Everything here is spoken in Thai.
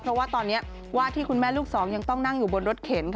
เพราะว่าตอนนี้ว่าที่คุณแม่ลูกสองยังต้องนั่งอยู่บนรถเข็น